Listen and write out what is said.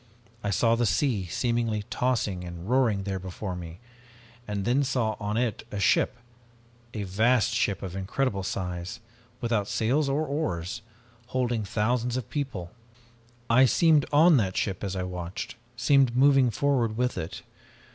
I saw the sea, seemingly tossing and roaring there before me, and then saw on it a ship, a vast ship of size incredible, without sails or oars, holding thousands of people. I seemed on that ship as I watched, seemed moving forward with it.